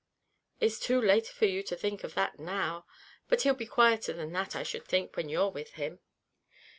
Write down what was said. "It's too late for you to think of that now; but he'll be quieter than that, I should think, when you're with him."